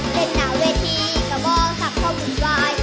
เดินหน้าเวทีก็บอกสักครอบหุ่นวาย